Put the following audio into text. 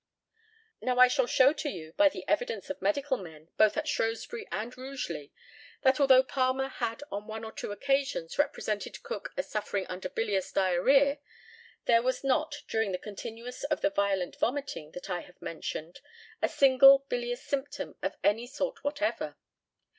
Now, I shall show to you, by the evidence of medical men, both at Shrewsbury and Rugeley, that although Palmer had on one or two occasions represented Cook as suffering under bilious diarrhœa, there was not, during the continuance of the violent vomiting which I have mentioned, a single bilious symptom of any sort whatever.